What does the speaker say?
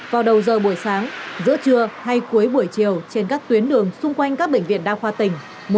vào đầu giờ buổi sáng giữa trưa hay cuối buổi chiều trên các tuyến đường xung quanh các bệnh viện đa khoa tỉnh